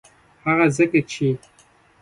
هغه ځکه چې